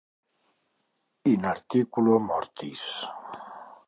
In articulo mortis.